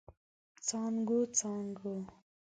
څانګو، څانګو